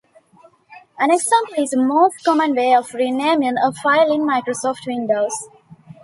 An example is the most common way of renaming a file in Microsoft Windows.